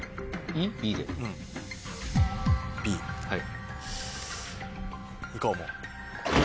はい。